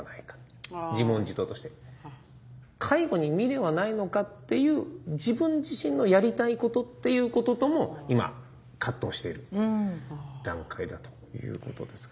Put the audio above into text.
介護に未練はないのかっていう自分自身のやりたいことっていうこととも今葛藤している段階だということですが。